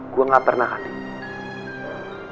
gue gak pernah kan